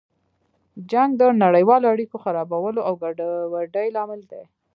جنګ د نړیوالو اړیکو خرابولو او ګډوډۍ لامل دی.